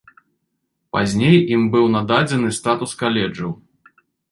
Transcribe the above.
Пазней ім быў нададзены статус каледжаў.